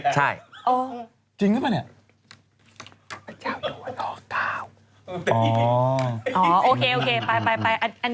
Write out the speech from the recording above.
ใช่จริงหรือเปล่าเนี่ยพระเจ้าเยาวะนอกเต้าอ๋อโอเคไปอันนี้ต่อเลยค่ะ